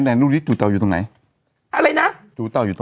ไหนนี่ลูกนี้เป็นตัวเมีย